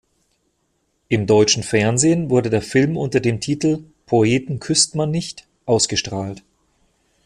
Im deutschen Fernsehen wurde der Film unter dem Titel "Poeten küßt man nicht" ausgestrahlt.